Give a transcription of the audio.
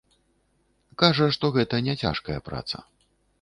Кажа, што гэта не цяжкая праца.